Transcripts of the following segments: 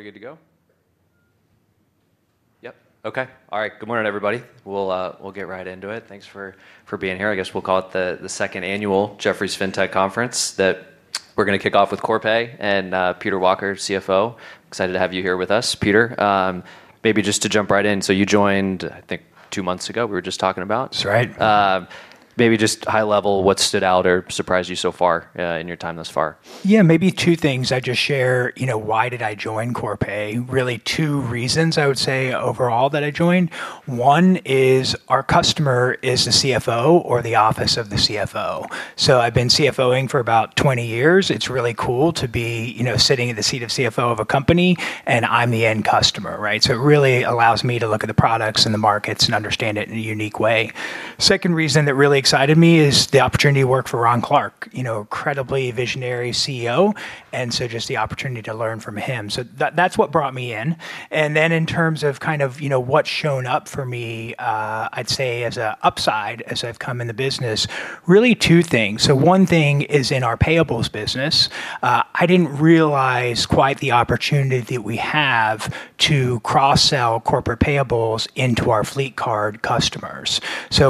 Are we good to go? Yep. Okay. All right. Good morning, everybody. We'll get right into it. Thanks for being here. I guess we'll call it the Second Annual Jefferies Fintech Conference that we're going to kick off with Corpay and Peter Walker, CFO. Excited to have you here with us, Peter. Maybe just to jump right in. So you joined, I think, two months ago. We were just talking about. That's right. Maybe just high level, what stood out or surprised you so far in your time thus far? Yeah. Maybe two things I just share, you know, why did I join Corpay? Really, two reasons, I would say, overall that I joined. One is our customer is the CFO or the Office of the CFO. I've been CFOing for about 20 years. It's really cool to be, you know, sitting in the seat of CFO of a company, and I'm the end customer. Right? It really allows me to look at the products and the markets and understand it in a unique way. Second reason that really excited me is the opportunity to work for Ron Clarke, you know, incredibly visionary CEO, and just the opportunity to learn from him. That's what brought me in. In terms of what's shown up for me, I'd say as an upside as I've come in the business, really two things. One thing is in our payables business, I didn't realize quite the opportunity that we have to cross-sell corporate payables into our fleet card customers.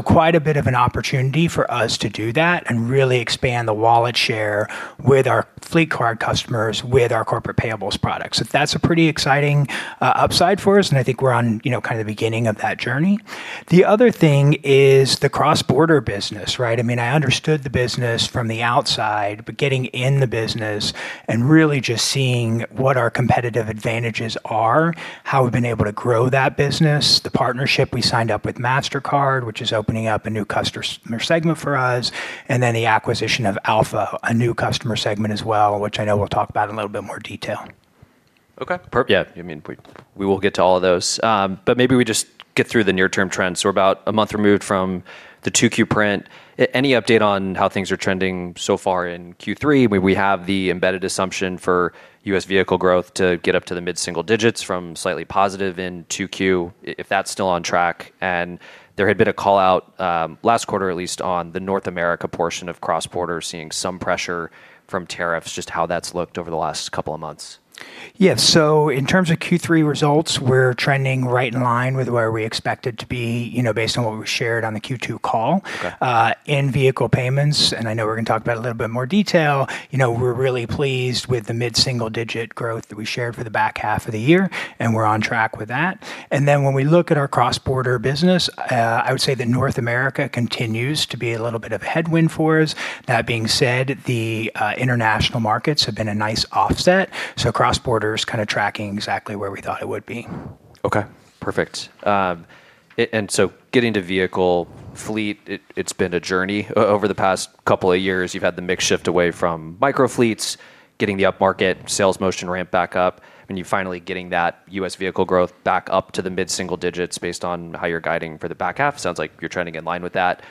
Quite a bit of an opportunity for us to do that and really expand the wallet share with our fleet card customers with our corporate payables products. That's a pretty exciting upside for us, and I think we're on, you know, kind of the beginning of that journey. The other thing is the cross-border business. I mean, I understood the business from the outside, but getting in the business and really just seeing what our competitive advantages are, how we've been able to grow that business, the partnership we signed up with Mastercard, which is opening up a new customer segment for us, and then the acquisition of Alpha, a new customer segment as well, which I know we'll talk about in a little bit more detail. Okay. Perfect. Yeah. I mean, we will get to all of those, but maybe we just get through the near-term trends. About a month removed from the 2Q print, any update on how things are trending so far in Q3? We have the embedded assumption for U.S. vehicle growth to get up to the mid-single digits from slightly positive in 2Q if that's still on track. There had been a call out, last quarter at least on the North America portion of cross-border, seeing some pressure from tariffs, just how that's looked over the last couple of months. In terms of Q3 results, we're trending right in line with where we expect it to be, based on what we shared on the Q2 call. Okay. In vehicle payments, and I know we're going to talk about it in a little bit more detail. You know, we're really pleased with the mid-single digit growth that we shared for the back half of the year, and we're on track with that. When we look at our cross-border business, I would say that North America continues to be a little bit of a headwind for us. That being said, the international markets have been a nice offset. Cross-border is kind of tracking exactly where we thought it would be. Okay. Perfect. Getting to vehicle fleet, it's been a journey over the past couple of years. You've had the mix shift away from micro fleets, getting the up market sales motion ramp back up, and you're finally getting that U.S. vehicle growth back up to the mid-single digits based on how you're guiding for the back half. Sounds like you're trending in line with that.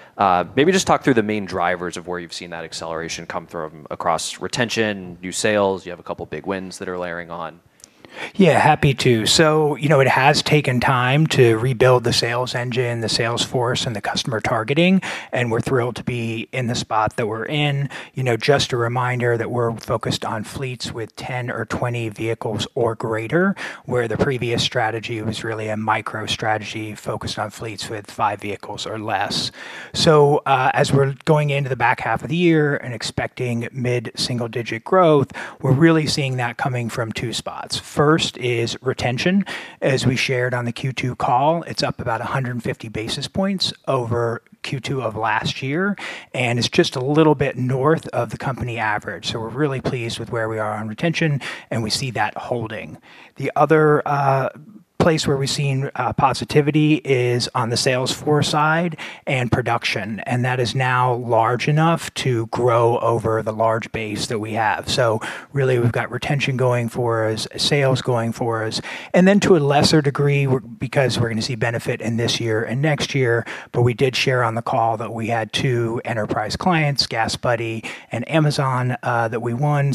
Maybe just talk through the main drivers of where you've seen that acceleration come from across retention, new sales. You have a couple big wins that are layering on. Yeah. Happy to. It has taken time to rebuild the sales engine, the sales force, and the customer targeting, and we're thrilled to be in the spot that we're in. Just a reminder that we're focused on fleets with 10 or 20 vehicles or greater, where the previous strategy was really a micro strategy focused on fleets with five vehicles or less. As we're going into the back half of the year and expecting mid-single digit growth, we're really seeing that coming from two spots. First is retention. As we shared on the Q2 call, it's up about 150 basis points over Q2 of last year, and it's just a little bit north of the company average. We're really pleased with where we are on retention, and we see that holding. The other place where we've seen positivity is on the sales force side and production, and that is now large enough to grow over the large base that we have. We've got retention going for us, sales going for us, and then to a lesser degree, because we're going to see benefit in this year and next year, but we did share on the call that we had two enterprise clients, GasBuddy and Amazon, that we won.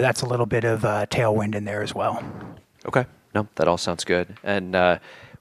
That's a little bit of a tailwind in there as well. Okay. That all sounds good.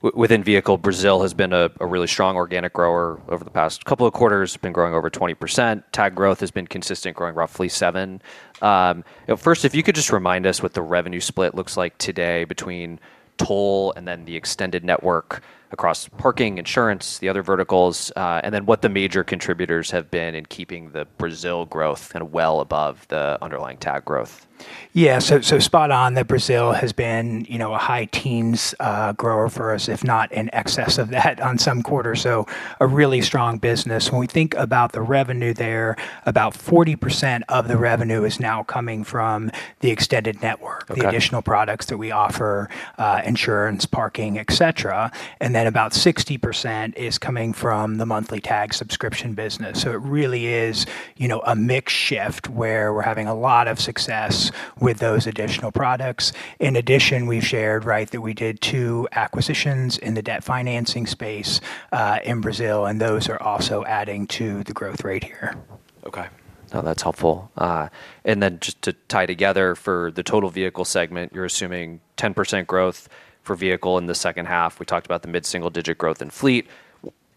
Within vehicle, Brazil has been a really strong organic grower over the past couple of quarters, been growing over 20%. Tag growth has been consistent, growing roughly 7%. If you could just remind us what the revenue split looks like today between toll and then the extended network across parking, insurance, the other verticals, and then what the major contributors have been in keeping the Brazil growth kind of well above the underlying tag growth. Yeah, spot on that Brazil has been, you know, a high teens grower for us, if not in excess of that on some quarters. A really strong business. When we think about the revenue there, about 40% of the revenue is now coming from the extended network, the additional products that we offer, insurance, parking, etcetera. About 60% is coming from the monthly tag subscription business. It really is, you know, a mixed shift where we're having a lot of success with those additional products. In addition, we've shared, right, that we did two acquisitions in the debt financing space in Brazil, and those are also adding to the growth rate here. Okay. No, that's helpful. Just to tie together for the total vehicle segment, you're assuming 10% growth for vehicle in the second half. We talked about the mid-single digit growth in fleet.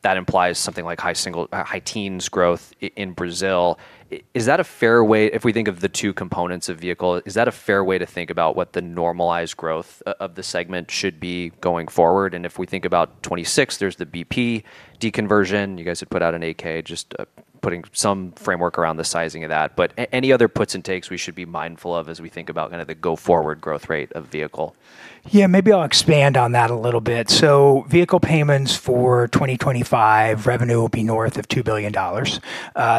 That implies something like high single, high teens growth in Brazil. Is that a fair way if we think of the two components of vehicle, is that a fair way to think about what the normalized growth of the segment should be going forward? If we think about 2026, there's the BP deconversion. You guys have put out an 8K just putting some framework around the sizing of that. Any other puts and takes we should be mindful of as we think about the go-forward growth rate of vehicle? Yeah. Maybe I'll expand on that a little bit. Vehicle payments for 2025, revenue will be north of $2 billion.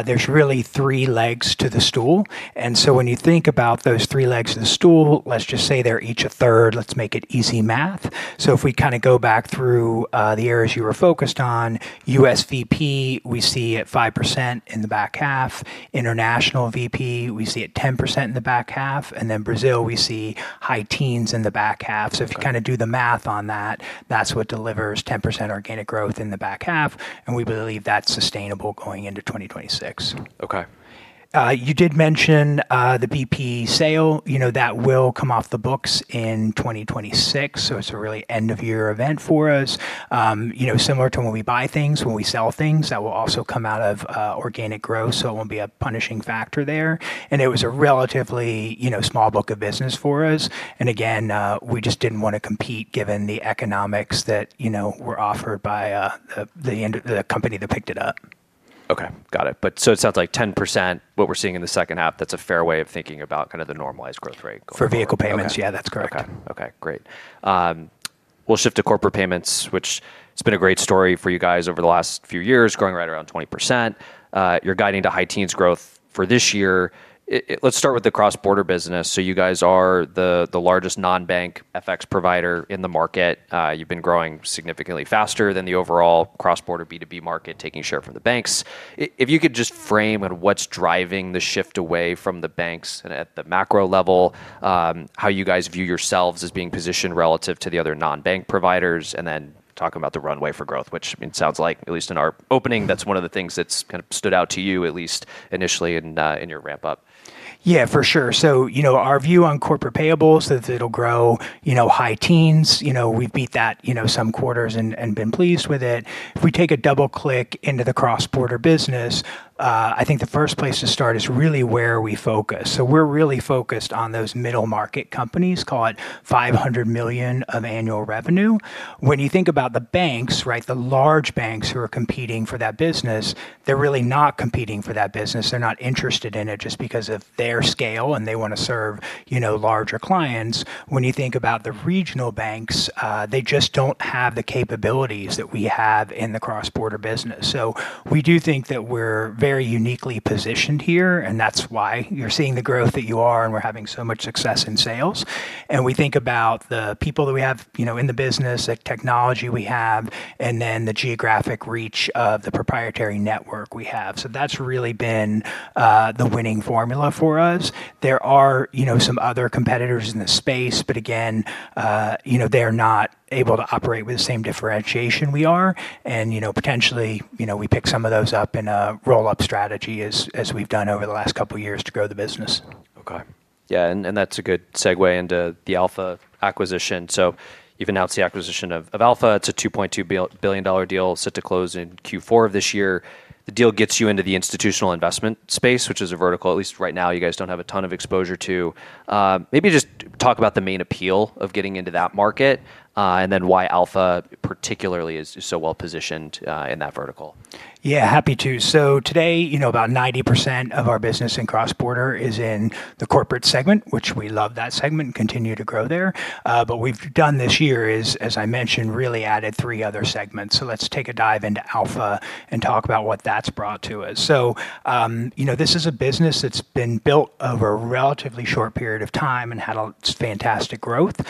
There's really three legs to the stool. When you think about those three legs of the stool, let's just say they're each 1/3. Let's make it easy math. If we kind of go back through, the areas you were focused on, U.S. VP, we see at 5% in the back half. International VP, we see at 10% in the back half. Brazil, we see high teens in the back half. If you kind of do the math on that, that's what delivers 10% organic growth in the back half. We believe that's sustainable going into 2026. Okay. You did mention the VP sale, you know, that will come off the books in 2026. It's a really end-of-year event for us. You know, similar to when we buy things, when we sell things, that will also come out of organic growth. It won't be a punishing factor there. It was a relatively small book of business for us. Again, we just didn't want to compete given the economics that, you know, were offered by the company that picked it up. Got it. It sounds like 10% of what we're seeing in the second half is a fair way of thinking about kind of the normalized growth rate. For vehicle payments, yeah, that's correct. Okay. Great. We'll shift to corporate payments, which has been a great story for you guys over the last few years, growing right around 20%. You're guiding the high teens growth for this year. Let's start with the cross-border business. You guys are the largest non-bank FX provider in the market. You've been growing significantly faster than the overall cross-border B2B market, taking share from the banks. If you could just frame on what's driving the shift away from the banks and at the macro level, how you guys view yourselves as being positioned relative to the other non-bank providers, and then talk about the runway for growth, which, I mean, sounds like at least in our opening, that's one of the things that's kind of stood out to you at least initially in your ramp up. Yeah. For sure. Our view on corporate payables is that it'll grow, you know, high teens. We've beat that some quarters and been pleased with it. If we take a double click into the cross-border business, I think the first place to start is really where we focus. We're really focused on those middle market companies, call it $500 million of annual revenue. When you think about the banks, right, the large banks who are competing for that business, they're really not competing for that business. They're not interested in it just because of their scale, and they wanna serve larger clients. When you think about the regional banks, they just don't have the capabilities that we have in the cross-border business. We do think that we're very uniquely positioned here, and that's why you're seeing the growth that you are, and we're having so much success in sales. We think about the people that we have in the business, the technology we have, and then the geographic reach of the proprietary network we have. That's really been the winning formula for us. There are some other competitors in the space, but again, they're not able to operate with the same differentiation we are. Potentially, we pick some of those up in a roll-up strategy as we've done over the last couple of years to grow the business. Okay. That's a good segue into the Alpha acquisition. You've announced the acquisition of Alpha. It's a $2.2 billion deal set to close in Q4 of this year. The deal gets you into the institutional investment space, which is a vertical, at least right now, you guys don't have a ton of exposure to. Maybe just talk about the main appeal of getting into that market, and then why Alpha particularly is so well positioned in that vertical. Yeah. Happy to. Today, you know, about 90% of our business in cross-border is in the corporate segment, which we love that segment and continue to grow there. What we've done this year is, as I mentioned, really added three other segments. Let's take a dive into Alpha and talk about what that's brought to us. You know, this is a business that's been built over a relatively short period of time and had fantastic growth.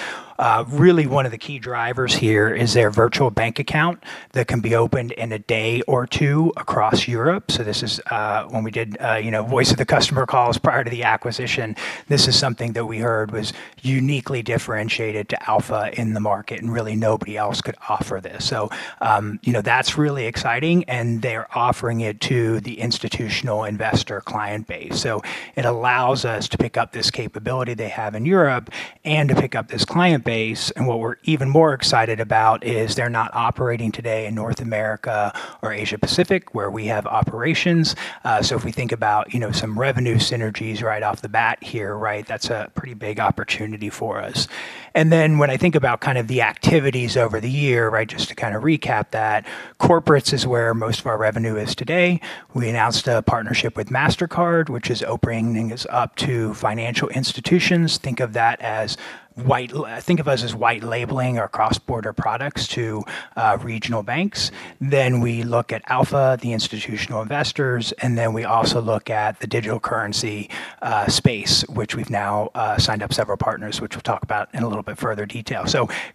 Really, one of the key drivers here is their virtual bank account that can be opened in a day or two across Europe. When we did, you know, voice of the customer calls prior to the acquisition, this is something that we heard was uniquely differentiated to Alpha in the market, and really nobody else could offer this. That's really exciting, and they're offering it to the institutional investor client base. It allows us to pick up this capability they have in Europe and to pick up this client base. What we're even more excited about is they're not operating today in North America or Asia-Pacific where we have operations. If we think about, you know, some revenue synergies right off the bat here, that's a pretty big opportunity for us. When I think about kind of the activities over the year, just to kind of recap that, corporate is where most of our revenue is today. We announced a partnership with Mastercard, which is opening us up to financial institutions. Think of that as white labeling our cross-border products to regional banks. Then we look at Alpha, the institutional investors, and we also look at the digital currency space, which we've now signed up several partners, which we'll talk about in a little bit further detail.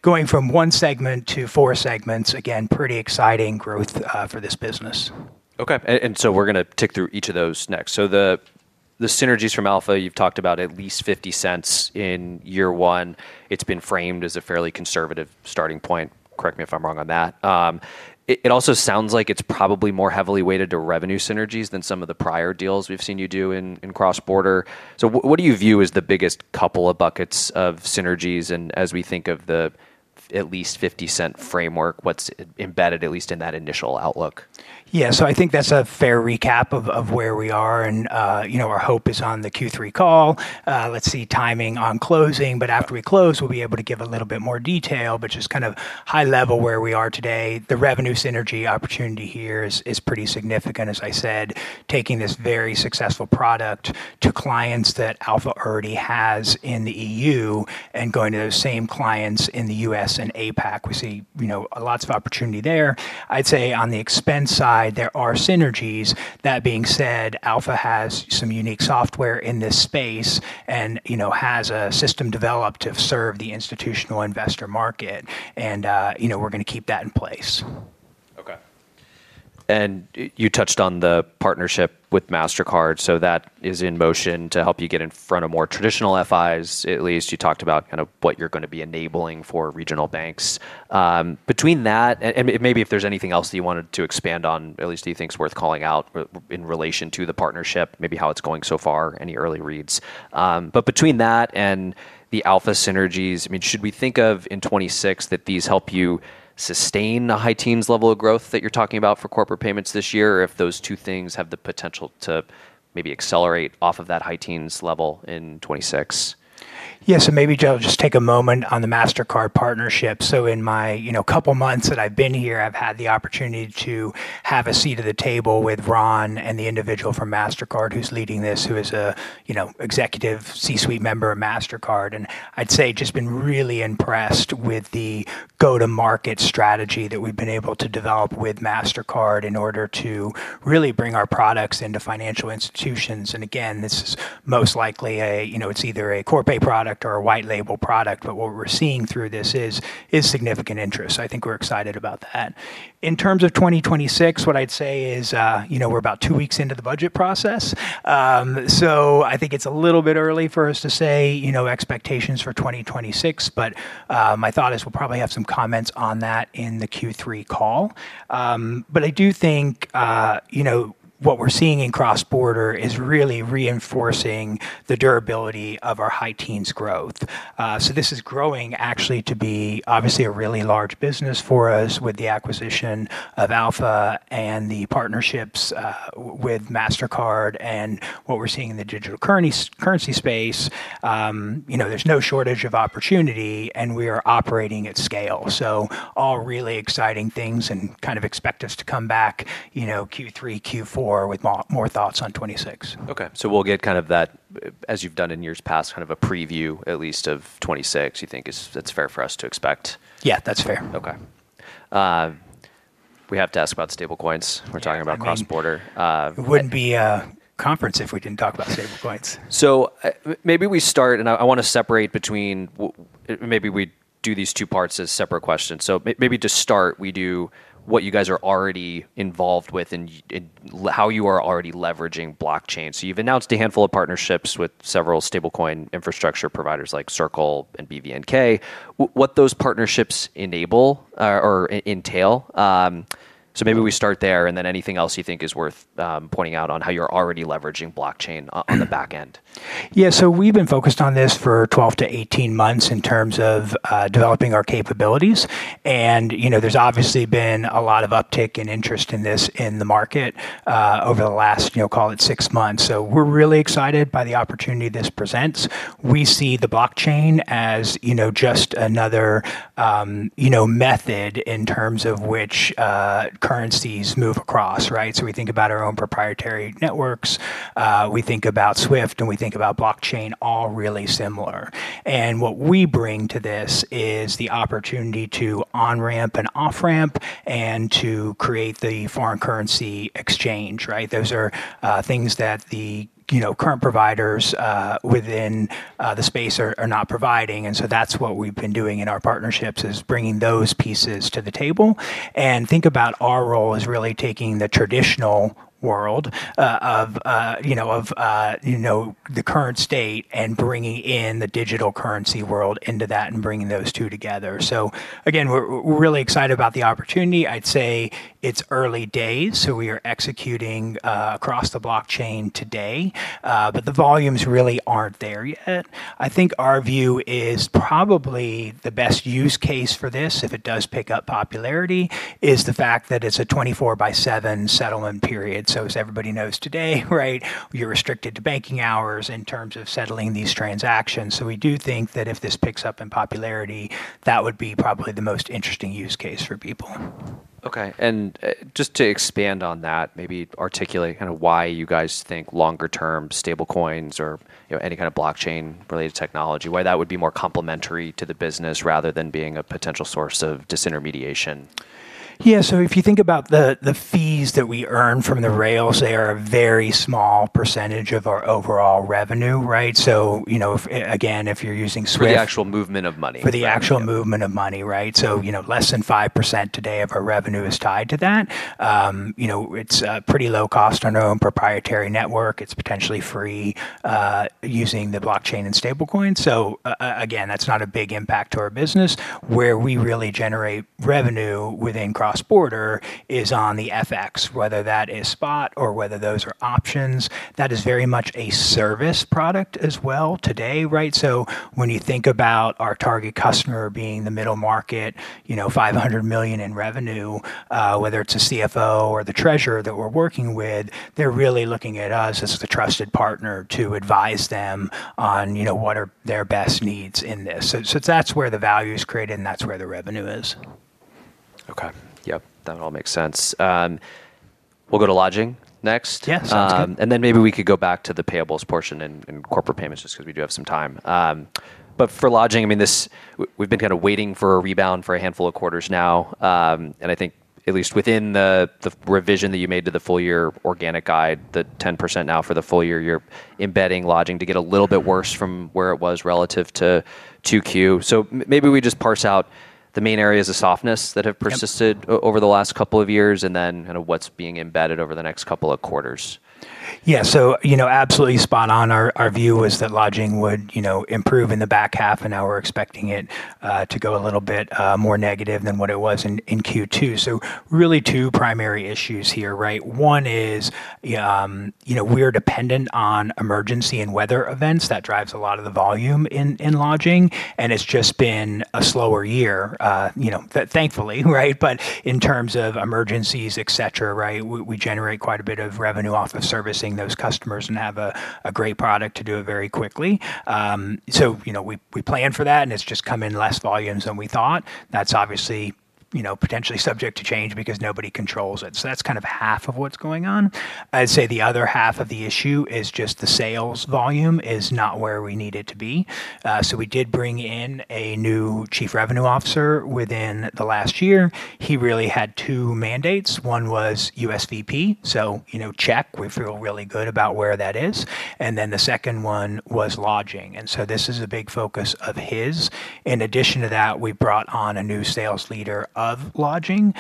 Going from one segment to four segments, again, pretty exciting growth for this business. Okay. We're going to tick through each of those next. The synergies from Alpha, you've talked about at least $0.50 in year one. It's been framed as a fairly conservative starting point. Correct me if I'm wrong on that. It also sounds like it's probably more heavily weighted to revenue synergies than some of the prior deals we've seen you do in cross-border. What do you view as the biggest couple of buckets of synergies? As we think of the at least $0.50 framework, what's embedded at least in that initial outlook? Yeah. I think that's a fair recap of where we are. Our hope is on the Q3 call, let's see timing on closing. After we close, we'll be able to give a little bit more detail, but just kind of high level where we are today. The revenue synergy opportunity here is pretty significant, as I said, taking this very successful product to clients that Alpha already has in the EU and going to those same clients in the U.S. and APAC. We see lots of opportunity there. I'd say on the expense side, there are synergies. That being said, Alpha has some unique software in this space and has a system developed to serve the institutional investment segment. We're going to keep that in place. Okay. You touched on the partnership with Mastercard. That is in motion to help you get in front of more traditional FIs, at least. You talked about what you're going to be enabling for regional banks. Between that, and maybe if there's anything else that you wanted to expand on, do you think is worth calling out in relation to the partnership, maybe how it's going so far, any early reads. Between that and the Alpha synergies, should we think of in 2026 that these help you sustain the high teens level of growth that you're talking about for corporate payments this year, or if those two things have the potential to maybe accelerate off of that high teens level in 2026? Yeah. Maybe I'll just take a moment on the Mastercard partnership. In my couple months that I've been here, I've had the opportunity to have a seat at the table with Ron and the individual from Mastercard who's leading this, who is an executive C-suite member of Mastercard. I'd say I've just been really impressed with the go-to-market strategy that we've been able to develop with Mastercard in order to really bring our products into financial institutions. This is most likely a Corpay product or a white label product, but what we're seeing through this is significant interest. I think we're excited about that. In terms of 2026, we're about two weeks into the budget process. I think it's a little bit early for us to say expectations for 2026, but my thought is we'll probably have some comments on that in the Q3 call. I do think what we're seeing in cross-border is really reinforcing the durability of our high teens growth. This is growing actually to be a really large business for us with the acquisition of Alpha and the partnerships with Mastercard and what we're seeing in the digital currency space. There's no shortage of opportunity, and we are operating at scale. All really exciting things and kind of expect us to come back Q3, Q4 with more thoughts on 2026. Okay, we'll get kind of that, as you've done in years past, kind of a preview at least of 2026, you think that's fair for us to expect. Yeah, that's fair. Okay, we have to ask about stablecoins. We're talking about cross-border. Yeah, it wouldn't be a conference if we didn't talk about stablecoins. Maybe we start, and I want to separate between maybe we do these two parts as separate questions. To start, we do what you guys are already involved with and how you are already leveraging blockchain. You've announced a handful of partnerships with several stablecoin infrastructure providers like Circle and BVNK. What those partnerships enable, or entail. Maybe we start there, and then anything else you think is worth pointing out on how you're already leveraging blockchain on the back end. Yeah. We've been focused on this for 12-18 months in terms of developing our capabilities. There's obviously been a lot of uptick in interest in this in the market over the last, call it, six months. We're really excited by the opportunity this presents. We see the blockchain as just another method in terms of which currencies move across. We think about our own proprietary networks, we think about SWIFT, and we think about blockchain all really similar. What we bring to this is the opportunity to onramp and offramp and to create the foreign currency exchange. Those are things that the current providers within the space are not providing. That's what we've been doing in our partnerships, bringing those pieces to the table. We think about our role as really taking the traditional world, the current state, and bringing in the digital currency world into that and bringing those two together. We're really excited about the opportunity. I'd say it's early days. We are executing across the blockchain today, but the volumes really aren't there yet. I think our view is probably the best use case for this, if it does pick up popularity, is the fact that it's a 24/7 settlement period. As everybody knows today, you're restricted to banking hours in terms of settling these transactions. We do think that if this picks up in popularity, that would be probably the most interesting use case for people. Okay. To expand on that, maybe articulate kind of why you guys think longer term stablecoins or any kind of blockchain-related technology, why that would be more complementary to the business rather than being a potential source of disintermediation. Yeah. If you think about the fees that we earn from the rails, they are a very small percentage of our overall revenue. Right? If, again, you're using SWIFT. For the actual movement of money. For the actual movement of money, right? Less than 5% today of our revenue is tied to that. You know, it's pretty low cost on our own proprietary network. It's potentially free, using the blockchain and stablecoins. That's not a big impact to our business. Where we really generate revenue within cross-border is on the FX, whether that is spot or whether those are options. That is very much a service product as well today, right? When you think about our target customer being the middle market, $500 million in revenue, whether it's a CFO or the treasurer that we're working with, they're really looking at us as the trusted partner to advise them on what are their best needs in this. That's where the value is created, and that's where the revenue is. Okay. Yep, that all makes sense. We'll go to lodging next. Yes. Maybe we could go back to the payables portion and corporate payments just because we do have some time. For lodging, we've been kind of waiting for a rebound for a handful of quarters now. I think at least within the revision that you made to the full year organic guide, the 10% now for the full year, you're embedding lodging to get a little bit worse from where it was relative to 2Q. Maybe we just parse out the main areas of softness that have persisted over the last couple of years and then what's being embedded over the next couple of quarters. Yeah. Absolutely spot on. Our view was that lodging would, you know, improve in the back half, and now we're expecting it to go a little bit more negative than what it was in Q2. There are really two primary issues here. One is, you know, we are dependent on emergency and weather events. That drives a lot of the volume in lodging, and it's just been a slower year, you know, thankfully. Right? In terms of emergencies, etc. We generate quite a bit of revenue off of servicing those customers and have a great product to do it very quickly. We plan for that, and it's just come in less volumes than we thought. That's obviously potentially subject to change because nobody controls it. That's kind of half of what's going on. I'd say the other half of the issue is just the sales volume is not where we need it to be. We did bring in a new Chief Revenue Officer within the last year. He really had two mandates. One was U.S. VP. Check. We feel really good about where that is. The second one was lodging. This is a big focus of his. In addition to that, we brought on a new sales leader of lodging.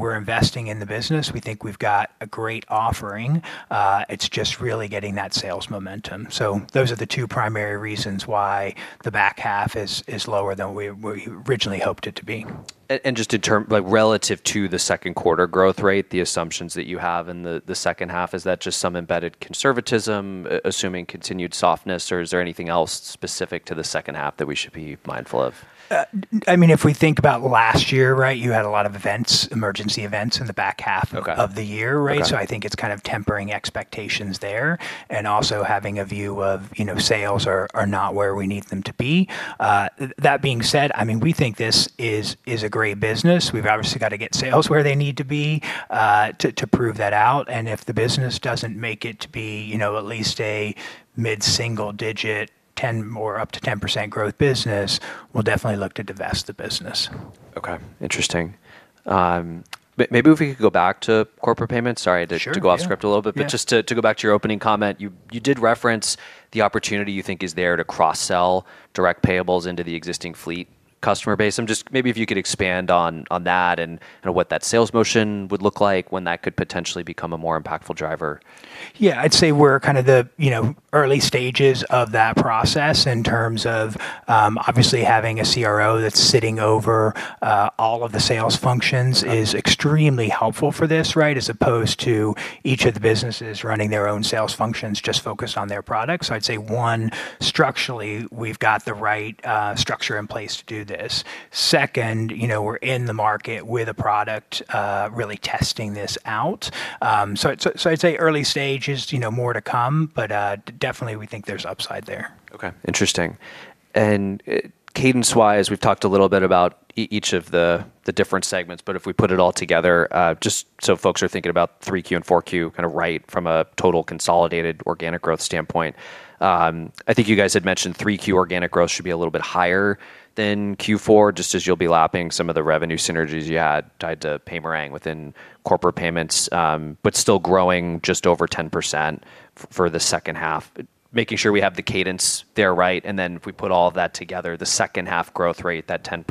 We're investing in the business. We think we've got a great offering. It's just really getting that sales momentum. Those are the two primary reasons why the back half is lower than we originally hoped it to be. Relative to the second quarter growth rate, the assumptions that you have in the second half, is that just some embedded conservatism assuming continued softness, or is there anything else specific to the second half that we should be mindful of? If we think about last year, right, you had a lot of events, emergency events in the back half. Okay. Of the year, right? I think it's kind of tempering expectations there and also having a view of, you know, sales are not where we need them to be. That being said, I mean, we think this is a great business. We've obviously got to get sales where they need to be to prove that out. If the business doesn't make it to be, you know, at least a mid-single digit or up to 10% growth business, we'll definitely look to divest the business. Okay. Interesting. Maybe if we could go back to corporate payments. Sorry, I did shift to go off script a little bit. Yeah. To go back to your opening comment, you did reference the opportunity you think is there to cross-sell direct payables into the existing fleet customer base. I'm just maybe if you could expand on that and kind of what that sales motion would look like, when that could potentially become a more impactful driver. Yeah. I'd say we're kind of in the early stages of that process in terms of, obviously having a CRO that's sitting over all of the sales functions is extremely helpful for this, right? As opposed to each of the businesses running their own sales functions just focused on their products. I'd say, one, structurally, we've got the right structure in place to do this. Second, we're in the market with a product, really testing this out. I'd say early stages, more to come, but definitely we think there's upside there. Okay. Interesting. Cadence-wise, we've talked a little bit about each of the different segments, but if we put it all together, just so folks are thinking about 3Q and 4Q kind of right from a total consolidated organic growth standpoint, I think you guys had mentioned 3Q organic growth should be a little bit higher than 4Q, just as you'll be lapping some of the revenue synergies you had tied to payment within corporate payments, but still growing just over 10% for the second half. Making sure we have the cadence there, right? If we put all of that together, the second half growth rate, that 10%+,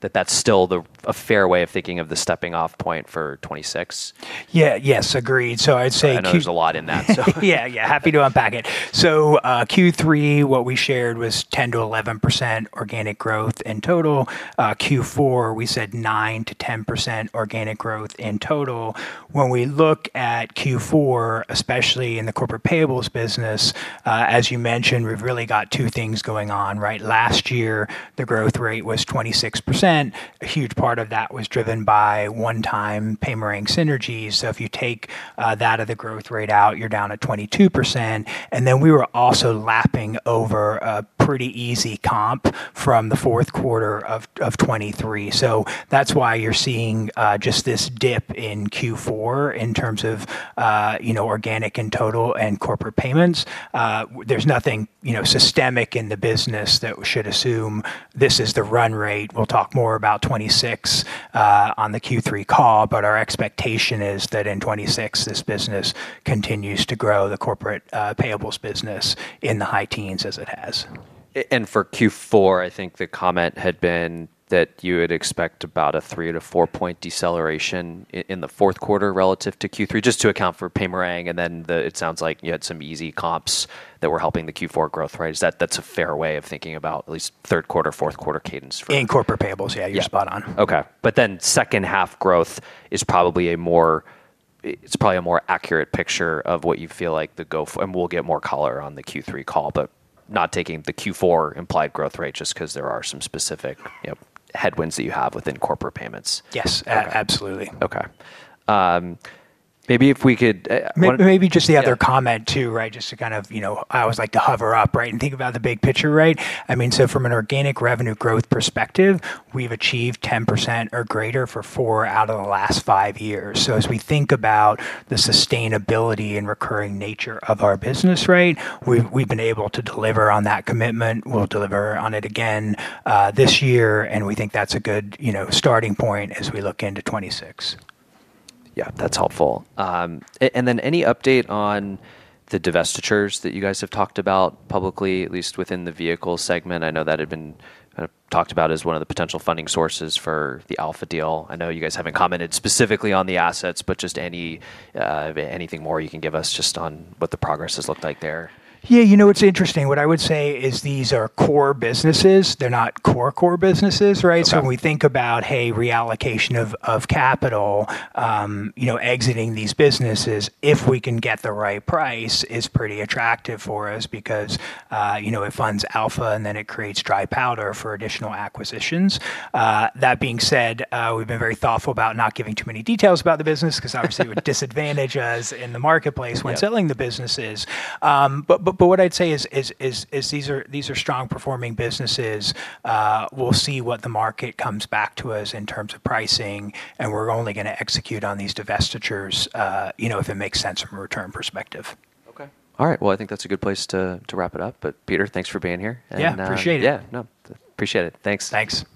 that's still a fair way of thinking of the stepping off point for 2026. Yes, agreed. I'd say. I know there's a lot in that. Yeah. Happy to unpack it. Q3, what we shared was 10%-11% organic growth in total. Q4, we said 9%-10% organic growth in total. When we look at Q4, especially in the corporate payables business, as you mentioned, we've really got two things going on. Last year, the growth rate was 26%. A huge part of that was driven by one-time payment synergies. If you take that out of the growth rate, you're down at 22%. We were also lapping over a pretty easy comp from the fourth quarter of 2023. That's why you're seeing just this dip in Q4 in terms of organic in total and corporate payments. There's nothing systemic in the business that should assume this is the run rate. We'll talk more about 2026 on the Q3 call, but our expectation is that in 2026, this business continues to grow, the corporate payables business in the high teens as it has. For Q4, I think the comment had been that you would expect about a three to four point deceleration in the fourth quarter relative to Q3, just to account for payment. It sounds like, you know, some easy comps that were helping the Q4 growth. Right? Is that a fair way of thinking about at least third quarter, fourth quarter cadence for. In corporate payables, yeah. Yeah. You're spot on. Okay, second half growth is probably a more accurate picture of what you feel like the go-forward, and we'll get more color on the Q3 call, not taking the Q4 implied growth rate just because there are some specific headwinds that you have within corporate payments. Yes. Absolutely. Okay, maybe if we could. Maybe just the other comment too, right? Just to kind of, you know, I always like to hover up, right, and think about the big picture, right? I mean, from an organic revenue growth perspective, we've achieved 10% or greater for four out of the last five years. As we think about the sustainability and recurring nature of our business, we've been able to deliver on that commitment. We'll deliver on it again this year, and we think that's a good, you know, starting point as we look into 2026. Yeah, that's helpful. Any update on the divestitures that you guys have talked about publicly, at least within the vehicle segment? I know that had been kind of talked about as one of the potential funding sources for the Alpha deal. I know you guys haven't commented specifically on the assets, but just anything more you can give us on what the progress has looked like there. Yeah, it's interesting. What I would say is these are core businesses. They're not core core businesses, right? Yeah. When we think about reallocation of capital, you know, exiting these businesses, if we can get the right price, is pretty attractive for us because, you know, it funds Alpha and then it creates dry powder for additional acquisitions. That being said, we've been very thoughtful about not giving too many details about the business because obviously it would disadvantage us in the marketplace when selling the businesses. What I'd say is these are strong performing businesses. We'll see what the market comes back to us in terms of pricing, and we're only going to execute on these divestitures, you know, if it makes sense from a return perspective. Okay. All right. I think that's a good place to wrap it up. Peter, thanks for being here. Yeah, appreciate it. Yeah, no, appreciate it. Thanks. Thanks. All right.